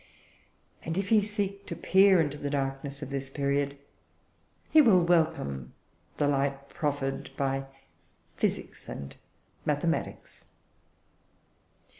And if he seek to peer into the darkness of this period, he will welcome the light proffered by physics and mathematics.